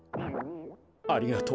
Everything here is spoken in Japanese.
ありがとう。